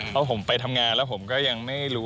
เพราะผมไปทำงานแล้วผมก็ยังไม่รู้